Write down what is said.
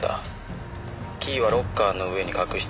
キーはロッカーの上に隠してある。